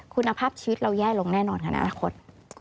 คุณภาพชีวิตเราแย่ลงแน่นอนค่ะอนาคต